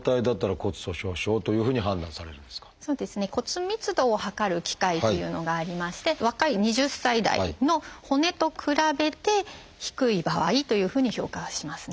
骨密度を測る機械っていうのがありまして若い２０歳代の骨と比べて低い場合というふうに評価はしますね。